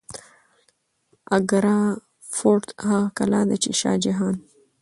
اګره فورت هغه کلا ده چې شاه جهان